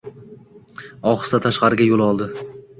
Ohista tashqari yo‘l oldi.